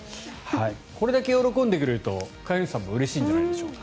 これだけ喜んでくれると飼い主さんもうれしいんじゃないでしょうか。